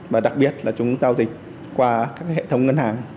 và đặc biệt là chúng giao dịch qua các hệ thống ngân hàng